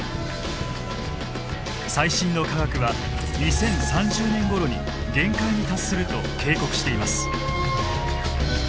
最新の科学は２０３０年ごろに限界に達すると警告しています。